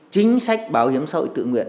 chính sách bảo hiểm xã hội tự nguyện